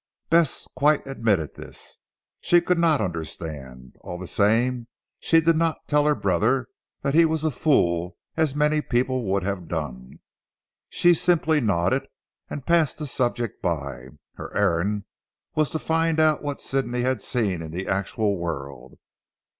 Bess quite admitted this. She could not understand. All the same she did not tell her brother that he was a fool as many people would have done. She simply nodded, and passed the subject by. Her errand was to find out what Sidney had seen in the actual world.